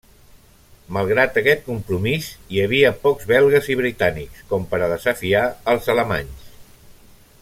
Malgrat aquest compromís, hi havia pocs belgues i britànics com per a desafiar als alemanys.